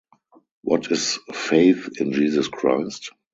What is faith in Jesus Christ?